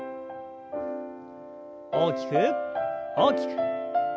大きく大きく。